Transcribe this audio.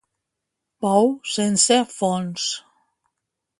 Pou sense fons.